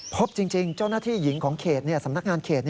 พบจริงเจ้าหน้าที่หญิงของเขตสำนักงานเขต